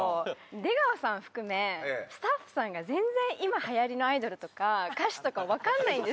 出川さん含めスタッフさんが全然今はやりのアイドルとか歌手とか分かんないんですよ。